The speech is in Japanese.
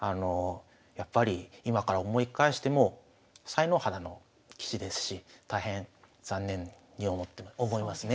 やっぱり今から思い返しても才能肌の棋士ですし大変残念に思いますね。